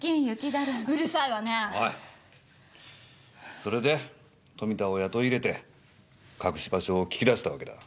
それで富田を雇い入れて隠し場所を聞き出したわけだ？